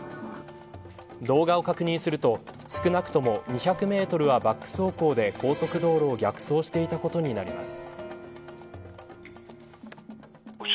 動画を確認すると少なくとも２００メートルはバック走行で高速道路を逆走していたことになります。